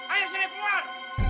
ayo sini keluar